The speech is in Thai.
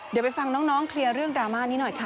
เดี๋ยวไปฟังน้องเคลียร์เรื่องดราม่านี้หน่อยค่ะ